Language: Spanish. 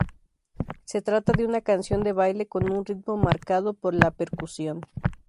Se trata de una canción de baile con un ritmo marcado por la percusión.